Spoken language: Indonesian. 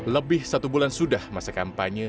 lebih satu bulan sudah masa kampanye